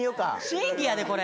審議やでこれ。